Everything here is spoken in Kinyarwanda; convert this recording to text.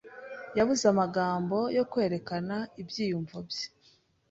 Yabuze amagambo yo kwerekana ibyiyumvo bye.